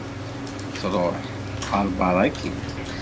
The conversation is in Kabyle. Tṛuḥ ɣer Ibaraki.